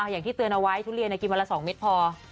อย่างที่เตือนเอาไว้ทุเรียนกินวันละ๒เม็ดพอ